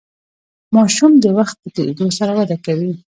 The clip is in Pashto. ماشوم د وخت په تیریدو سره وده کوي.